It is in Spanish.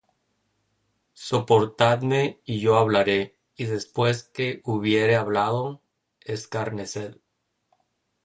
Soportadme, y yo hablaré; Y después que hubiere hablado, escarneced.